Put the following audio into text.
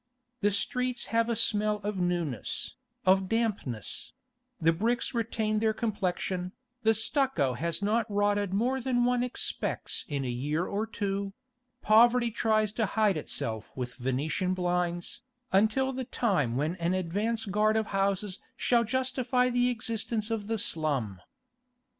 The streets have a smell of newness, of dampness; the bricks retain their complexion, the stucco has not rotted more than one expects in a year or two; poverty tries to hide itself with venetian blinds, until the time when an advanced guard of houses shall justify the existence of the slum.